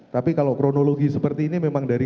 tapi kalau kronologi seperti ini memang dari